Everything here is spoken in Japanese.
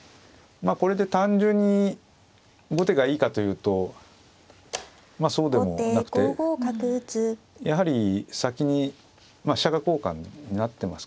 まあこれで単純に後手がいいかというとそうでもなくてやはり先に飛車角交換になってますからね。